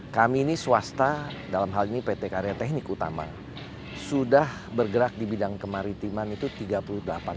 kami ini swasta dalam hal ini pt karya teknik utama sudah bergerak di bidang kemaritiman itu tiga puluh delapan triliun